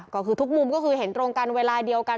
ก็คือทุกมุมก็คือเห็นตรงกันเวลาเดียวกัน